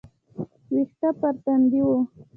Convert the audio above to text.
ويښته پر تندي وه.